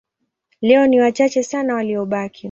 Leo ni wachache sana waliobaki.